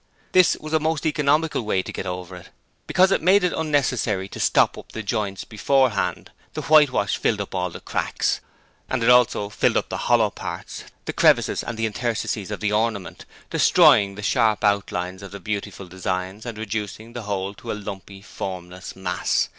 This was a most economical way to get over it, because it made it unnecessary to stop up the joints beforehand the whitewash filled up all the cracks: and it also filled up the hollow parts, the crevices and interstices of the ornament, destroying the sharp outlines of the beautiful designs and reducing the whole to a lumpy, formless mass.